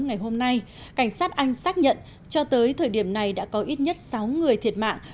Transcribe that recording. ngày hôm nay cảnh sát anh xác nhận cho tới thời điểm này đã có ít nhất sáu người thiệt mạng